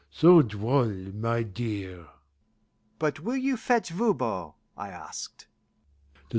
So droll, my dear!" "But will you fetch Voban?" I asked.